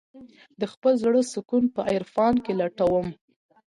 د خپل زړه سکون په عرفان کې لټوم.